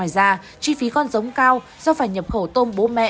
và chi phí con giống cao do phải nhập khẩu tôm bố mẹ